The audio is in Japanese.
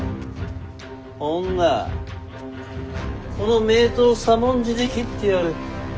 女この名刀左文字で斬ってやる。